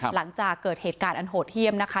หลังจากเกิดเหตุการณ์อันโหดเยี่ยมนะคะ